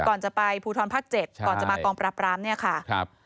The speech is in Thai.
ก่อนจะไปภูทรภาค๗ก่อนจะมากองปราบรามเนี่ยค่ะครับ